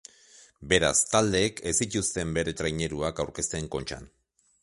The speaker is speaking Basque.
Beraz, taldeek ez zituzten bere traineruak aurkezten Kontxan.